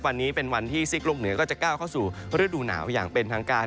วันนี้เป็นวันที่ซีกโลกเหนือก็จะก้าวเข้าสู่ฤดูหนาวอย่างเป็นทางการ